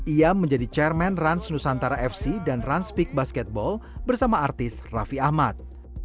ia menjadi chairman rans nusantara fc dan ranspik basketball bersama artis raffi ahmad